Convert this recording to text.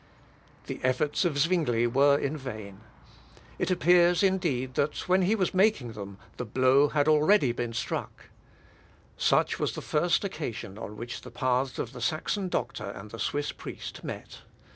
" The efforts of Zwingle were in vain. It appears, indeed, that when he was making them, the blow had been already struck. Such was the first occasion on which the paths of the Saxon doctor and the Swiss priest met.